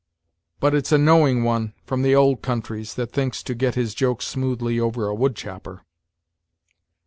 But it's a knowing one, from the old countries, that thinks to get his jokes smoothly over a wood chopper."